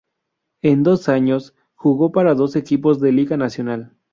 En dos años jugó para dos equipos de Liga Nacional